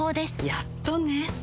やっとね